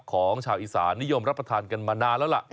ของชาวอีสานนิยมรับประทานกันมานานแล้วล่ะ